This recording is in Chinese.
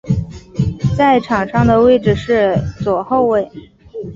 在场上的位置是左后卫。